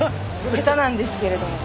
下手なんですけれども。